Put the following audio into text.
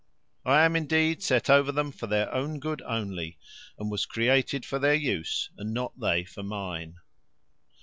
I am, indeed, set over them for their own good only, and was created for their use, and not they for mine.